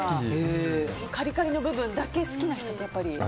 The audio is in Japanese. カリカリの部分だけ好きな人って。